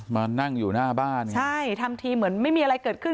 มานั่งอยู่หน้าบ้านใช่ทำทีเหมือนไม่มีอะไรเกิดขึ้น